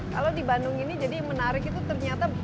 kalau di bandung ini jadi menarik itu ternyata